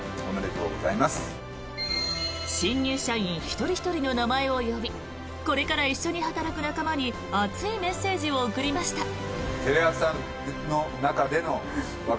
新入社員一人ひとりの名前を呼びこれから一緒に働く仲間に熱いメッセージを送りました。